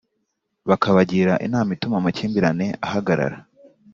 bakabagira inama ituma amakimbirane ahagarara